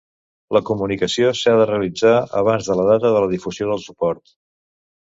La comunicació s'ha de realitzar abans de la data de la difusió del suport.